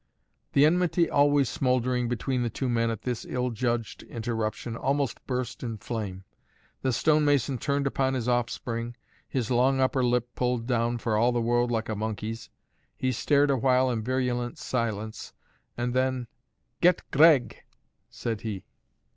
The enmity always smouldering between the two men at this ill judged interruption almost burst in flame. The stonemason turned upon his offspring, his long upper lip pulled down, for all the world, like a monkey's. He stared a while in virulent silence; and then "Get Gregg!" said he.